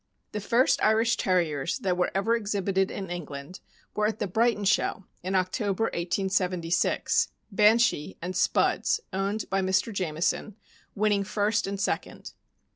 The first Irish Terriers that were ever exhibited in England were at the Brighton Show, in October, 1876 — Banshee and Spuds, owned by Mr. Jamison, winning first and second.